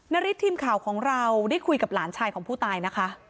ฤทธิ์ทีมข่าวของเราได้คุยกับหลานชายของผู้ตายนะคะ